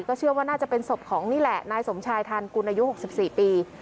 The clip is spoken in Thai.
เชื่อว่าน่าจะเป็นศพของนี่แหละนายสมชายทานกุลอายุ๖๔ปี